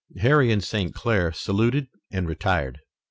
Harry and St. Clair saluted and retired.